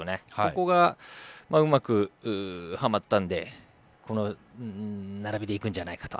ここがうまくはまったのでこの並びで行くんじゃないかと。